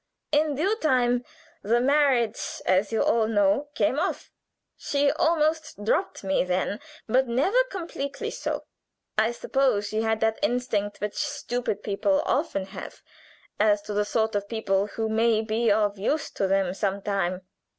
"In due time the marriage, as you all know, came off. She almost dropped me then, but never completely so; I suppose she had that instinct which stupid people often have as to the sort of people who may be of use to them some time.